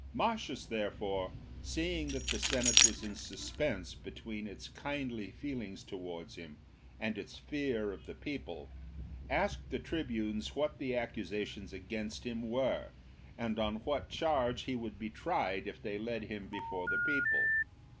XX. Marcius, therefore, seeing that the senate was in suspense between its kindly feelings towards him and its fear of the people, asked the tribunes what the accusations against him were, and on what charge he would be tried if they led him before the people.